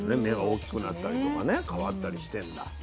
目が大きくなったりとかね変わったりしてんだ。